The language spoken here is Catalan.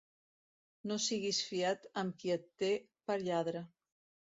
No siguis fiat amb qui et té per lladre.